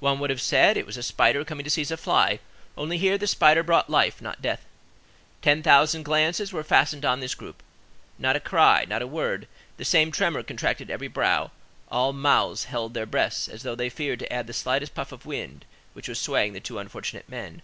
One would have said it was a spider coming to seize a fly, only here the spider brought life, not death. Ten thousand glances were fastened on this group; not a cry, not a word; the same tremor contracted every brow; all mouths held their breath as though they feared to add the slightest puff to the wind which was swaying the two unfortunate men.